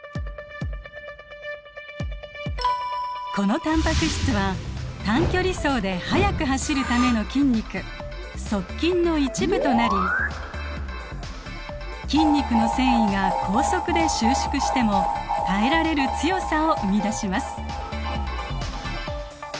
このタンパク質は短距離走で速く走るための筋肉速筋の一部となり筋肉の繊維が高速で収縮しても耐えられる強さを生み出します。